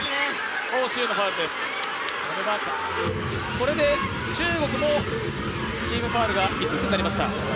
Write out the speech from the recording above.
これで中国もチームファウルが５つになりました。